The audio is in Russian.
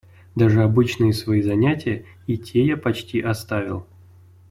Даже обычные свои занятия — и те я почти оставил.